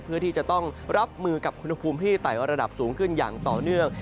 เพื่อที่จะต้องรับมือกับอุณหภูมิที่ไต่ระดับสูงขึ้นอย่างต่อเนื่อง